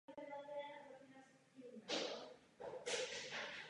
Pro tvorbu informačních systémů zase slouží ekonomická počítačová věda.